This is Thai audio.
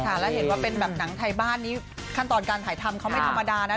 แล้วเห็นว่าเป็นแบบหนังไทยบ้านนี้ขั้นตอนการถ่ายทำเขาไม่ธรรมดานะ